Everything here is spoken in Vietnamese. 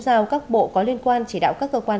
giao các bộ có liên quan chỉ đạo các cơ quan